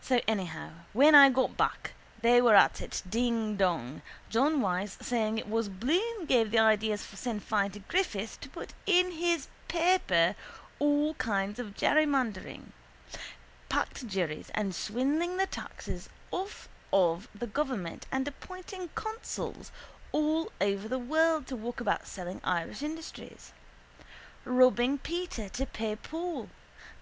So anyhow when I got back they were at it dingdong, John Wyse saying it was Bloom gave the ideas for Sinn Fein to Griffith to put in his paper all kinds of jerrymandering, packed juries and swindling the taxes off of the government and appointing consuls all over the world to walk about selling Irish industries. Robbing Peter to pay Paul.